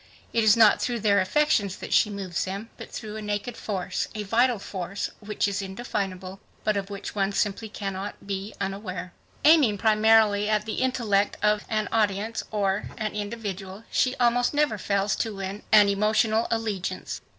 It is not through their affections that she moves them, but through a naked force, a vital force which is indefinable but of which one simply cannot be unaware. Aiming primarily at the intellect of an audience or an individual, she almost never fails to win an emotional allegiance.